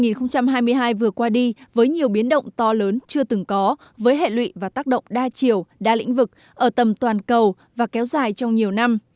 năm hai nghìn hai mươi hai vừa qua đi với nhiều biến động to lớn chưa từng có với hệ lụy và tác động đa chiều đa lĩnh vực ở tầm toàn cầu và kéo dài trong nhiều năm